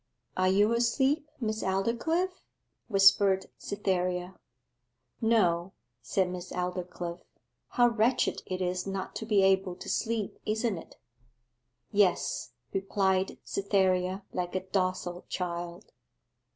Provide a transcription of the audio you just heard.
'Are you asleep, Miss Aldclyffe?' whispered Cytherea. 'No,' said Miss Aldclyffe. 'How wretched it is not to be able to sleep, isn't it?' 'Yes,' replied Cytherea, like a docile child.